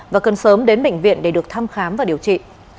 và cần sớm đến bệnh viện để được thăm khám và điều trị